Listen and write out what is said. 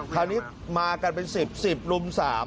คราวนี้มากันเป็น๑๐๑๐ลุม๓